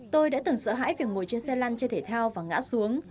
tôi đã từng sợ hãi việc ngồi trên xe lăn chơi thể thao và ngã xuống